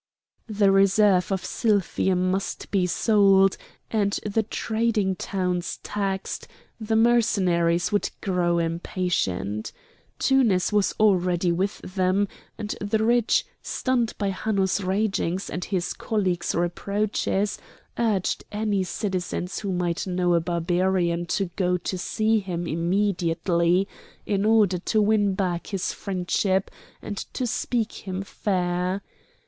The reserve of silphium must be sold, and the trading towns taxed; the Mercenaries would grow impatient; Tunis was already with them; and the rich, stunned by Hanno's ragings and his colleague's reproaches, urged any citizens who might know a Barbarian to go to see him immediately in order to win back his friendship, and to speak him fair.